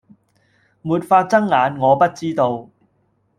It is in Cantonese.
沒法睜眼，我不知道。